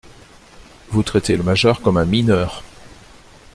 Vous traitez le majeur comme un mineur.